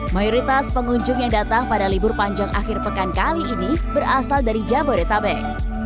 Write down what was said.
mayoritas pengunjung yang datang pada libur panjang akhir pekan kali ini berasal dari jabodetabek